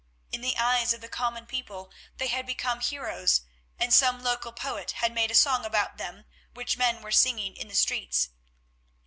In the eyes of the common people they had become heroes, and some local poet had made a song about them which men were singing in the streets.